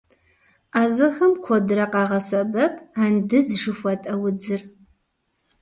Ӏэзэхэм куэдрэ къагъэсэбэп андыз жыхуэтӏэ удзыр.